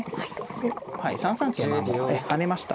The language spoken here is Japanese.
で３三桂馬も跳ねました。